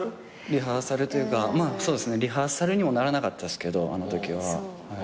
リハーサルというかリハーサルにもならなかったっすけどあのときは。